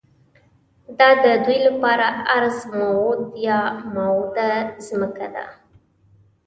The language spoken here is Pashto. دا ددوی لپاره ارض موعود یا موعوده ځمکه ده.